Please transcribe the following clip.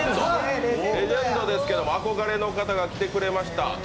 レジェンドですけども憧れの方が来てくださいました。